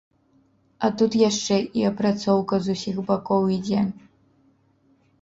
А тут яшчэ і апрацоўка з усіх бакоў ідзе.